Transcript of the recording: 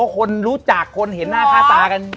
คนรู้จักคนเห็นหน้าค่าตากัน